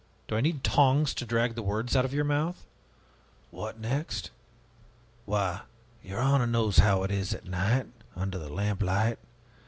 Do I need tongs to drag the words out of your mouth?" "What next? Why, your honor knows how it is at night, under the lamplight.